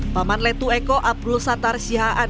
paman letu eko abdul satar sihaan